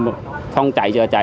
đầu tiên là cháy chữa cháy